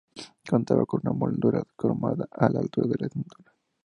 Contaba con una moldura cromada a la altura de la cintura.